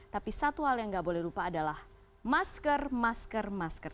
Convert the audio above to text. tapi satu hal yang nggak boleh lupa adalah masker masker masker